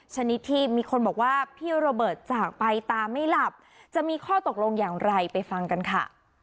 ชนิดที่มีคนบอกว่าพี่โรเบิร์ตจากไปตาไม่หลับจะมีข้อตกลงอย่างไรไปฟังกันค่ะ